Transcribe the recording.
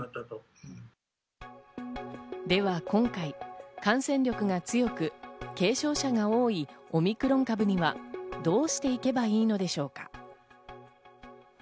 では今回、感染力が強く、軽症者が多いオミクロン株には、どうしていけばいいのでしょうか。